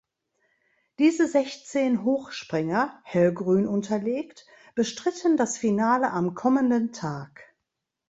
Diese sechzehn Hochspringer (hellgrün unterlegt) bestritten das Finale am kommenden Tag.